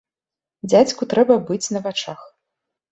Дзядзьку трэба быць на вачах.